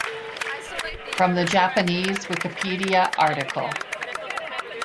"From the Japanese Wikipedia article"